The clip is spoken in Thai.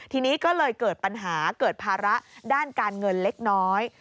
ทีนี้ก็เลยเกิดปัญหาเกิดภาระด้านการเงินเล็กน้อย